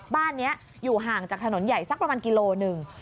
บ้านนี้อยู่ห่างจากถนนใหญ่สักประมาณกิโลหนึ่ง